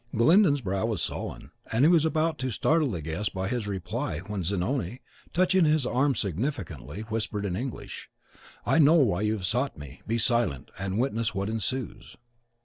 Glyndon's brow was sullen; and he was about to startle the guests by his reply, when Zanoni, touching his arm significantly, whispered in English, "I know why you have sought me. Be silent, and witness what ensues."